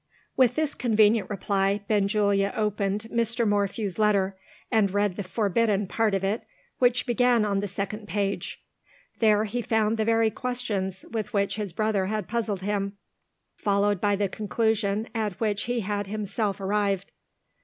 With this convenient reply, Benjulia opened Mr. Morphew's letter, and read the forbidden part of it which began on the second page. There he found the very questions with which his brother had puzzled him followed by the conclusion at which he had himself arrived!